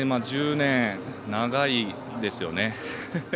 １０年、長いですよね。